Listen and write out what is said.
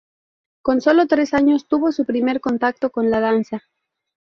Con sólo tres años tuvo su primer contacto con la danza.